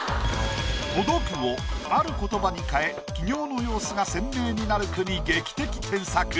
「届く」をある言葉に変え起業の様子が鮮明になる句に劇的添削。